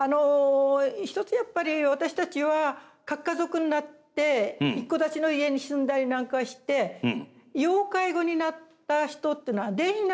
一つやっぱり私たちは核家族になって一戸建ちの家に住んだりなんかして要介護になった人ってのはデイなんかに通ってですね